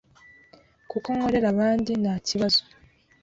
kuko nkorera abandi ntakibazo